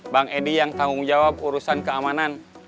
bang edi yang tanggung jawab urusan keamanan